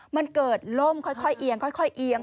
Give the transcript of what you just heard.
มันเกิดล่มค่อยเอียงค่อยเอียง